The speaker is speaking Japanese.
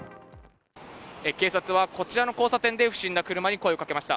警察はこちらの交差点で、不審な車に声をかけました。